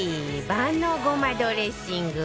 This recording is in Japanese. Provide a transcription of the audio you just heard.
万能ごまドレッシング